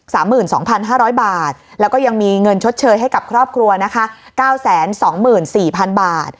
สามหมื่นสองพันห้าร้อยบาทแล้วก็ยังมีเงินชดเชยให้กับครอบครัวนะคะ